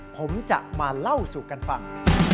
ผมจะมาเล่าสู่กันฟัง